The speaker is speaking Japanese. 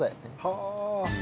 はあ。